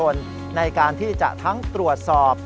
ของประชาชนในการที่จะทั้งตรวจสอบ